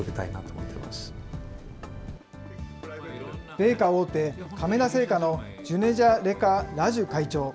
米菓大手、亀田製菓のジュネジャ・レカ・ラジュ会長。